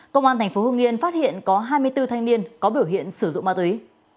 công an tp hương yên phát hiện có hai mươi bốn thanh niên có biểu hiện sử dụng ma túy